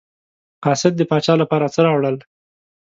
قاصد د پاچا لپاره څه راوړل.